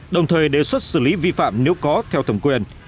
đồng thời đề xuất xử lý vi phạm nếu có theo thẩm quyền